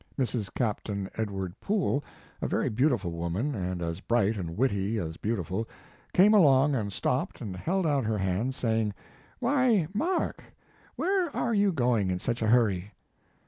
Mrs. 60 Mark Twain Captain Edward Poole, a very beautiful woman, and as bright and witty as beau tiful, carne along and stopped and held out her hand, saying: "Why, Mark, where are you going in such a hurry?"